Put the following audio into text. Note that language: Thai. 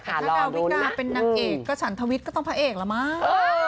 ถ้าเวลาวิกาเป็นนักเอกก็ฉันทวิทย์ก็ต้องพาเอกละมาก